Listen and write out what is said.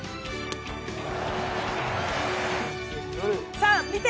さあ、見て！